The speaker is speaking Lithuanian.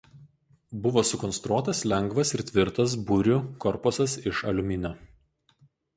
Buvo sukonstruotas lengvas ir tvirtas burių korpusas iš aliuminio.